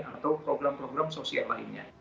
atau program program sosial lainnya